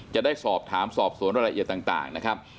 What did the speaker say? จะได้สอบถามสอบสวนรายละเอียดต่างนะครับ